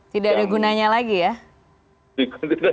tidak ada gunanya lagi ya